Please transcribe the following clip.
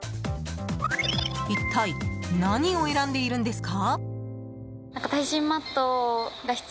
一体、何を選んでいるんですか？